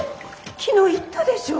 昨日言ったでしょ？